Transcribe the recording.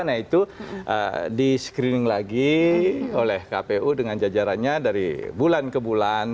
nah itu di screening lagi oleh kpu dengan jajarannya dari bulan ke bulan